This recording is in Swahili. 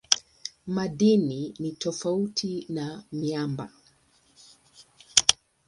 Madini ni tofauti na miamba.